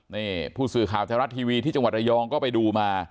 นี่ผู้สื่อข่าวไทยรัฐทีวีที่จังหวัดระยองก็ไปดูมา